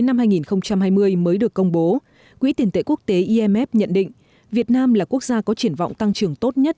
năm hai nghìn hai mươi mới được công bố quỹ tiền tệ quốc tế imf nhận định việt nam là quốc gia có triển vọng tăng trưởng tốt nhất